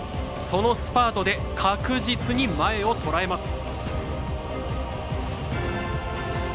そのスパートで確実に前を捉えます。